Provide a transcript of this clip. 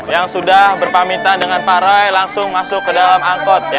yang sudah berpamitan dengan pak roy langsung masuk ke dalam angkot ya